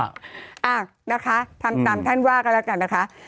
อ่ะนะคะทำตามท่านว่ากันแล้วกันนะคะ